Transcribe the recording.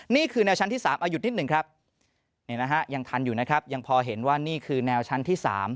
นี่คือแนวชั้นที่๓อายุที่๑ครับยังทันอยู่นะครับยังพอเห็นว่านี่คือแนวชั้นที่๓